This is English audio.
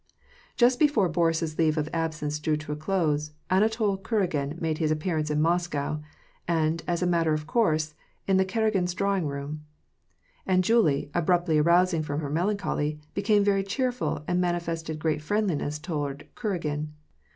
Just before Boris's leave of absence drew to a close, Anatol Kuragin made his appearance in Moscow ; and, as a matter of course, in the Karagins' drawing room ; and Julie, abruptly arousing from her melancholy, became very cheerful, and manifested great friendliness toward Kuragin.